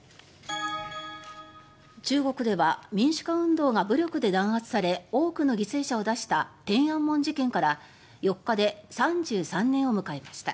中国では民間人運動が武力で弾圧され多くの犠牲者を出した天安門事件から４日で３３年を迎えました。